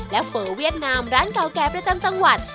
และเฟ้อเวียดนามร้านเก่าแก่ประจำจังหวัด